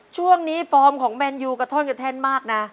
ช่วงนี้ฟอร์มของแมนยูกระท่อนกระแทนมากนะ